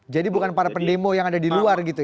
jadi bukan para pendemo yang ada di luar gitu ya